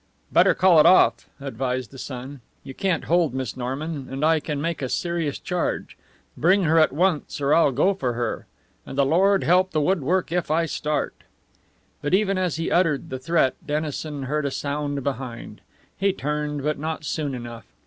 "Better call it off," advised the son. "You can't hold Miss Norman and I can make a serious charge. Bring her at once, or I'll go for her. And the Lord help the woodwork if I start!" But even as he uttered the threat Dennison heard a sound behind. He turned, but not soon enough.